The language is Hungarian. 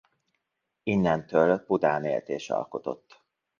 Innentől Budán élt és alkotott.